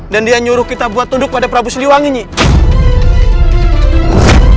dan dia nyuruh kita buat tunduk pada prabu siliwangi nyik